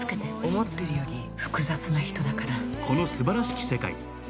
思ってるより複雑な人だから。